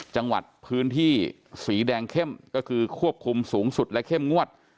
จังหวัดพื้นที่สีแดงเข้มก็คือควบคุมสูงสุดและเข้มงวด